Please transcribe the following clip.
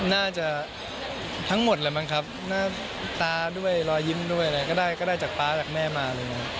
น่าจะทั้งหมดแล้วมั้งครับหน้าตาด้วยรอยยิ้มด้วยอะไรก็ได้ก็ได้จากป๊าจากแม่มาอะไรอย่างนี้